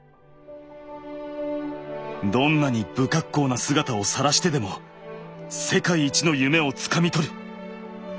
どんなに不格好な姿をさらしてでも世界一の夢をつかみ取る。